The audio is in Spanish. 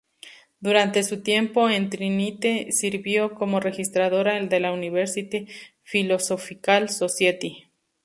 Durante su tiempo en Trinity sirvió como registradora de la University Philosophical Society.